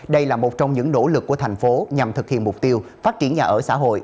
đây là một trong những nỗ lực của thành phố nhằm thực hiện mục tiêu phát triển nhà ở xã hội